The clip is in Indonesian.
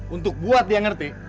untuk buat dia ngerti